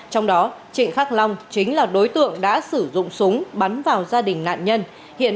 trong đó trịnh khắc long chính là đối tượng đã sử dụng súng bắn vào gia đình nạn nhân